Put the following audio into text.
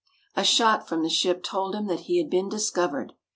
A shot from the ship told him that he had been discovered.